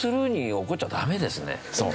そう。